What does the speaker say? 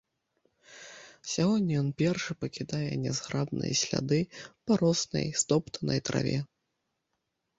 Сягоння ён першы пакідае нязграбныя сляды па роснай стоптанай траве.